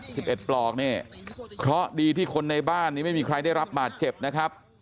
สิบเอ็ดปลอกเนี่ยเคราะห์ดีที่คนในบ้านนี้ไม่มีใครได้รับบาดเจ็บนะครับ